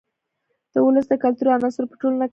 د ولس د کلتور عناصرو په ټولنه کې لار وکړه.